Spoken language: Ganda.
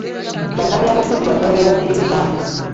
Bannabyabufuzi batono be bakiririzaamu.